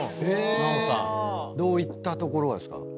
どういったところがですか？